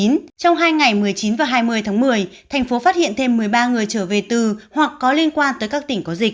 trong hai ngày một mươi chín và hai mươi tháng một mươi thành phố phát hiện thêm một mươi ba người trở về từ hoặc có liên quan tới các tỉnh có dịch